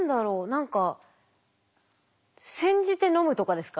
何か煎じて飲むとかですか？